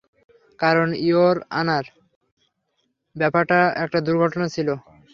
কারণ, your honour, ব্যাপারটা একটা দুর্ঘটনা ছিল।